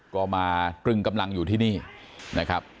ก็มาตรึงกำลังอยู่ที่นี่นะครับ